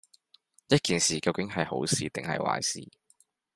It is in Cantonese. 一件事究竟係好事定係壞事